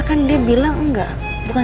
kalau memang nanti elsa juga